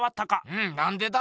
うんなんでだ？